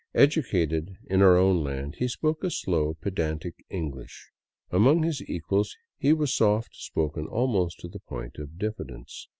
Educated in our own land, he spoke a slow, pedantic Eng lish. Among his equals, he was soft spoken almost to the point of diffidence.